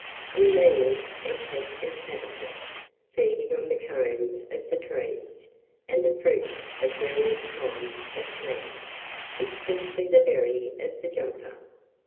In these it has its habitat, feeding on the cones of the trees, and the fruits of various kinds of plants, especially the berry of the jumper.